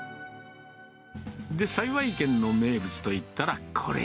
幸軒の名物といったらこれ。